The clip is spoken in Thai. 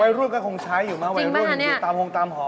วัยรุ่นก็คงใช้อยู่มากวัยรุ่นอยู่ตามห่องตามหอ